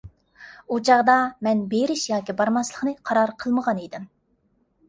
ئۇ چاغدا مەن بېرىش ياكى بارماسلىقنى قارار قىلمىغانىدىم.